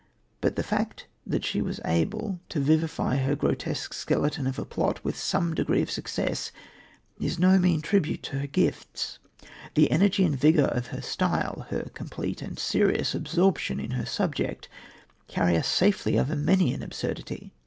But the fact that she was able to vivify her grotesque skeleton of a plot with some degree of success is no mean tribute to her gifts. The energy and vigour of her style, her complete and serious absorption in her subject, carry us safely over many an absurdity.